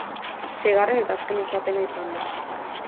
Seigarren eta azken luzapena izan da.